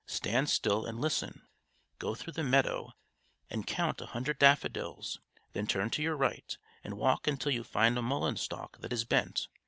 "Stand still and listen! Go through the meadow, and count a hundred daffodils; then turn to your right, and walk until you find a mullein stalk that is bent.